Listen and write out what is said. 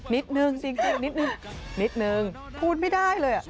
นิดหนึ่งจริงนิดหนึ่งพูดไม่ได้เลย